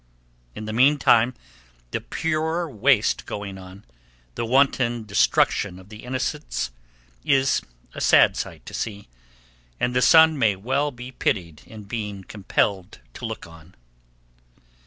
In the mean time, the pure waste going on—the wanton destruction of the innocents—is a sad sight to see, and the sun may well be pitied in being compelled to look on.